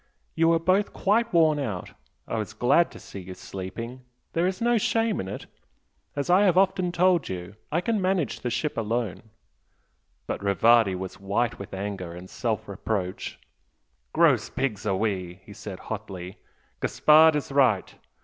You were both quite worn out! I was glad to see you sleeping there is no shame in it! As I have often told you, I can manage the ship alone." But Rivardi was white with anger and self reproach. "Gross pigs we are!" he said, hotly "Gaspard is right!